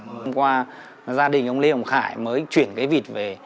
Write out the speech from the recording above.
hôm qua gia đình ông lê hồng khải mới chuyển cái vịt về